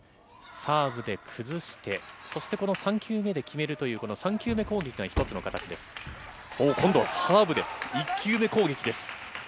サーブで崩して、そしてこの３球目で決めるというこの３球目攻撃が一つの形です。